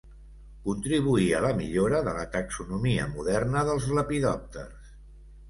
Contribuí a la millora de la taxonomia moderna dels lepidòpters.